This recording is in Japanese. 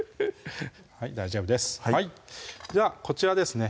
はい大丈夫ですじゃあこちらですね